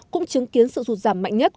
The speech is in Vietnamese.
cũng chứng kiến sự rụt giảm mạnh nhất